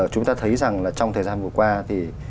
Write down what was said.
chúng ta thấy rằng là trong thời gian vừa qua thì